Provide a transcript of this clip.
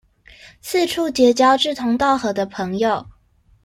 四處結交志同道合的朋友